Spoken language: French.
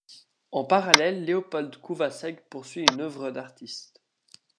En parallèle, Leopold Kuwasseg poursuit une œuvre d’artiste.